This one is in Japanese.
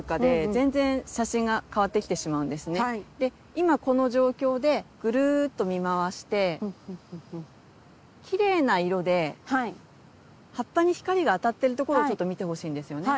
今この状況でぐるっと見回してきれいな色で葉っぱに光があたってるところをちょっと見てほしいんですよね。